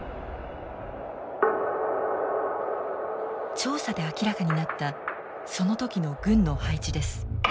調査で明らかになったその時の軍の配置です。